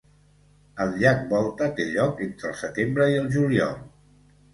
Al llac Volta té lloc entre el setembre i el juliol.